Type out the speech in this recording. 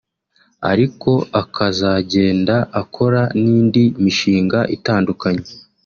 ariko akazagenda akora n’indi mishinga itandukanye